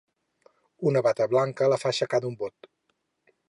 Una bata blanca la fa aixecar d'un bot.